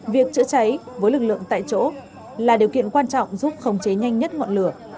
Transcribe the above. việc chữa cháy với lực lượng tại chỗ là điều kiện quan trọng giúp khống chế nhanh nhất ngọn lửa